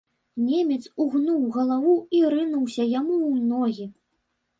Немец угнуў галаву і рынуўся яму ў ногі.